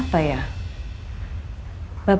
bapak kan tidak mengalami kesalahan itu